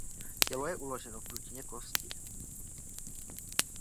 Tělo je uloženo v dutině kosti.